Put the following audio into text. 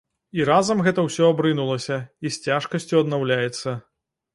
І разам гэта ўсё абрынулася і з цяжкасцю аднаўляецца.